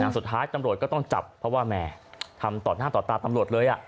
สุดท้ายตำรวจก็ต้องจับเพราะว่าแหมทำต่อหน้าต่อตาตำรวจเลย